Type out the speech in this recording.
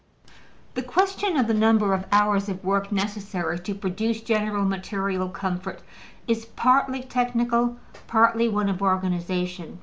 The question of the number of hours of work necessary to produce general material comfort is partly technical, partly one of organization.